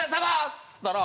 っつったら。